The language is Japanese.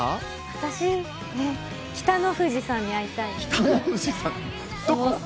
私、北の富士さんに会いたい。